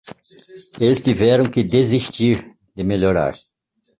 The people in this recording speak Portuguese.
Eles tiveram que desistir de melhorar.